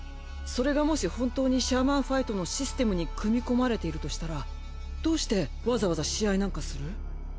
それがもし本当にシャーマンファイトのシステムに組み込まれているとしたらどうしてわざわざ試合なんかする？